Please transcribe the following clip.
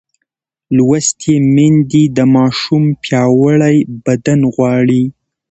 لوستې میندې د ماشوم پیاوړی بدن غواړي.